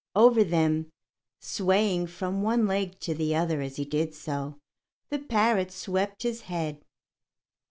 Over them, swaying from one leg to the other as he did so, the parrot swept his head.